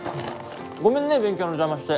ごめんね勉強の邪魔して。